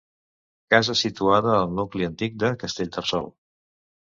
Casa situada al nucli antic de Castellterçol.